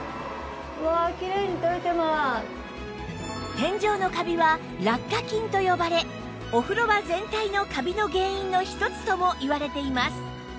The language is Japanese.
天井のカビは落下菌と呼ばれお風呂場全体のカビの原因の一つともいわれています